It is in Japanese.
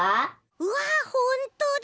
うわっほんとだ！